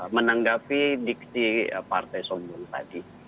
menanggapi diksi partai sombong tadi